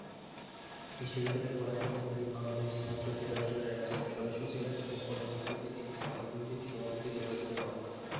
বিশ্ববিদ্যালয়ে পড়াকালীন তিনি বাংলাদেশ ছাত্র ফেডারেশনের একজন সদস্য ছিলেন ও পরবর্তীতে তিনি সংগঠনটির সভাপতি নির্বাচিত হন।